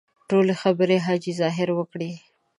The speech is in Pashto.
ټولې خبرې حاجي ظاهر وکړې.